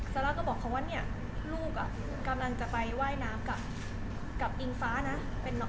ซาร่าก็บอกเขาว่าเนี่ยลูกกำลังจะไปว่ายน้ำกับอิงฟ้านะ